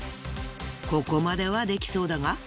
ここまではできそうだが。